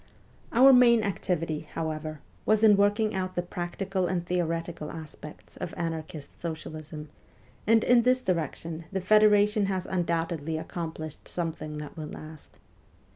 Our main activity, however, was in working out the practical and theoretical aspects of anarchist socialism, and in this direction the federation has undoubtedly accomplished something that will last.